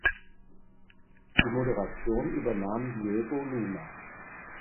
Die Moderation übernahm Diego Luna.